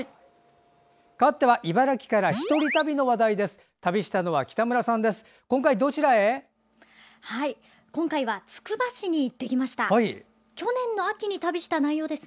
かわっては茨城から１人旅の話題です。